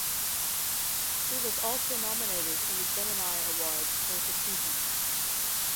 He was also nominated in the Gemini Awards for his achievements.